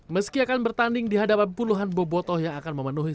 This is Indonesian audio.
meski akan bertanding di hadapan puluhan bobotoh yang akan memenuhi